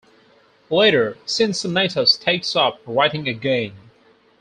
Later, Cincinnatus takes up writing again.